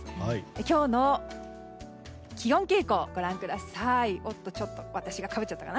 今日の気温傾向をご覧ください。